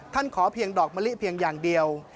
ขอเพียงดอกมะลิเพียงอย่างเดียว